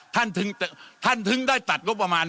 ท่านถึงได้ตัดกรุงประมาณ